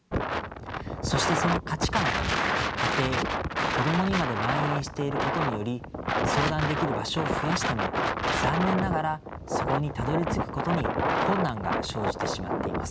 そしてその価値観が家庭子どもにまでまん延していることにより相談できる場所を増やしても残念ながらそこにたどりつくことに困難が生じてしまっています。